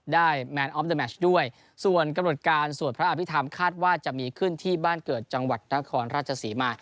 แมนออมเดอร์แมชด้วยส่วนกำหนดการสวดพระอภิษฐรรมคาดว่าจะมีขึ้นที่บ้านเกิดจังหวัดนครราชศรีมา